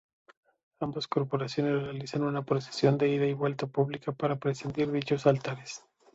Ambas corporaciones realizan una procesión de ida y vuelta pública para presidir dichos altares.